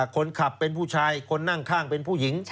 คนขับเป็นผู้ชายคนนั่งข้างเป็นผู้หญิง